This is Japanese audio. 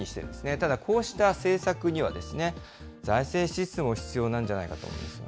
ただ、こうした政策には、財政支出も必要なんじゃないかと思いますよね。